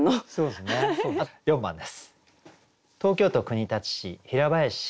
４番です。